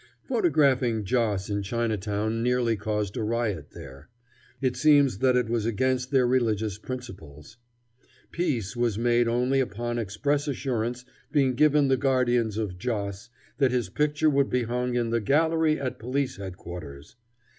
Photographing Joss in Chinatown nearly caused a riot there. It seems that it was against their religious principles. Peace was made only upon express assurance being given the guardians of Joss that his picture would be hung in the "gallery at Police Headquarters."